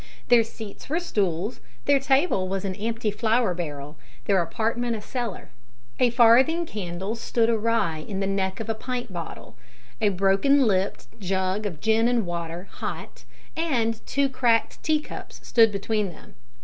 Their seats were stools, their table was an empty flour barrel, their apartment a cellar. A farthing candle stood awry in the neck of a pint bottle. A broken lipped jug of gin and water hot, and two cracked tea cups stood between them.